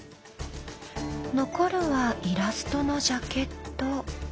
残るはイラストのジャケット。